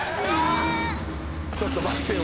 ちょっと待ってよ